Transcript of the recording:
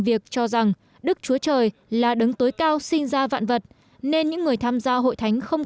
việc cho rằng đức chúa trời là đấng tối cao sinh ra vạn vật nên những người tham gia hội thánh không